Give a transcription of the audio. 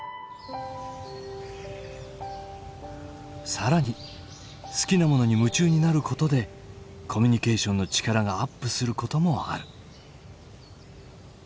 更に好きなものに夢中になることでコミュニケーションの力がアップすることもある。